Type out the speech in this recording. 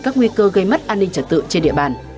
các nguy cơ gây mất an ninh trật tự trên địa bàn